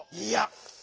いや。